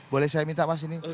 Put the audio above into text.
boleh saya minta mas ini